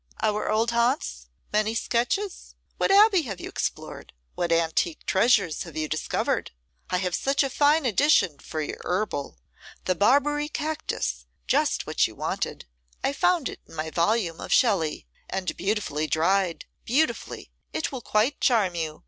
Our old haunts? Many sketches? What abbey have you explored, what antique treasures have you discovered? I have such a fine addition for your herbal! The Barbary cactus, just what you wanted; I found it in my volume of Shelley; and beautifully dried, beautifully; it will quite charm you.